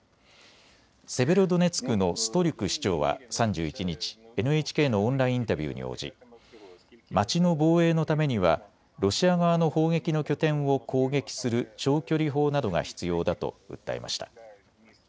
セベロドネツクのストリュク市長は３１日、ＮＨＫのオンラインインタビューに応じ街の防衛のためにはロシア側の砲撃の拠点を攻撃する長距離砲などが必要だと訴えました。